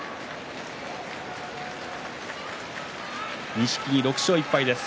錦木、６勝１敗です。